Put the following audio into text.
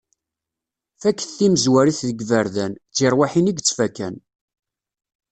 Faket timezwarit deg yiberdan, d tirwiḥin i yettfakan.